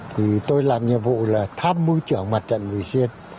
thì tôi làm nhiệm vụ là tham mưu trưởng mặt trận vị xuyên